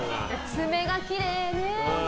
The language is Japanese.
爪がきれいね。